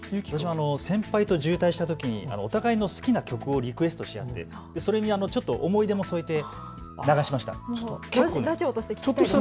私は先輩と渋滞したときにお互いの好きな曲をリクエストし合ってそれに思い出も添えて流しました。